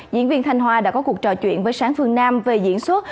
diễn viên thanh hoa đã có cuộc trò chuyện với sáng phương nam về diễn xuất